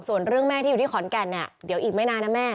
ส่วนเรื่องแม่ที่อยู่ที่ขอนแก่นเนี่ยเดี๋ยวอีกไม่นานนะแม่